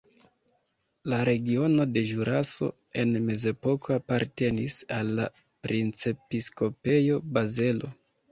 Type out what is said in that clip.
La regiono de Ĵuraso en mezepoko apartenis al la Princepiskopejo Bazelo.